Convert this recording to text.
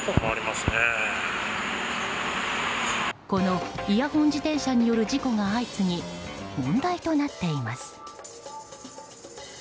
このイヤホン自転車による事故が相次ぎ問題となっています。